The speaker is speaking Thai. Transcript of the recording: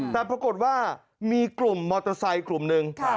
แต่ปรากฏว่ามีกลุ่มมอเตอร์ไซค์กลุ่มหนึ่ง